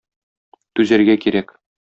Түзәргә кирәк.